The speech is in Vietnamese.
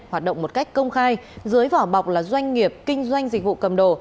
hoạt động một cách công khai dưới vỏ bọc là doanh nghiệp kinh doanh dịch vụ cầm đồ